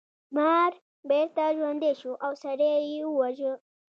مار بیرته ژوندی شو او سړی یې وواژه.